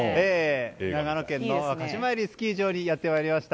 長野県の鹿島槍スキー場にやってきました。